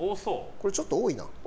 これ、ちょっと多いな。